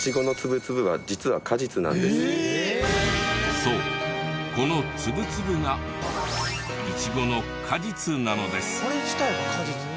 そうこのツブツブがイチゴの果実なのです。